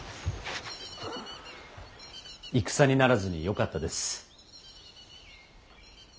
戦にならずによかったです。